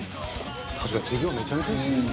「確かに手際めちゃめちゃいいですね」